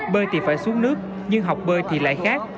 bơi thì phải xuống nước nhưng học bơi thì lại khác